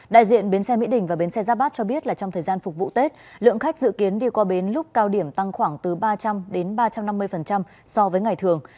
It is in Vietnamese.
đại diện bến xe mỹ đình và bến xe giáp bát cho biết là trong thời gian phục vụ tết lượng khách dự kiến đi qua bến lúc cao điểm tăng khoảng từ ba trăm linh đến ba trăm năm mươi so với ngày thường